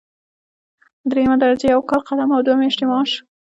دریمه درجه یو کال قدم او دوه میاشتې معاش.